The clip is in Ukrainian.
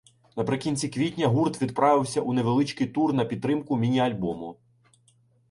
Наприкінці квітня гурт відправився у невеличкий тур на підтримку міні-альбому.